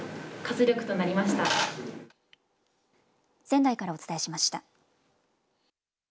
仙台からお伝えしました。